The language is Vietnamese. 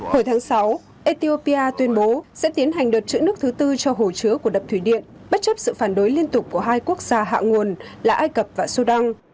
hồi tháng sáu ethiopia tuyên bố sẽ tiến hành đợt trữ nước thứ tư cho hồ chứa của đập thủy điện bất chấp sự phản đối liên tục của hai quốc gia hạ nguồn là ai cập và sudan